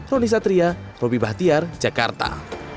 roni satria bobi bahtiar jakarta